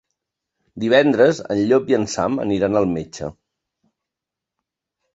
Divendres en Llop i en Sam aniran al metge.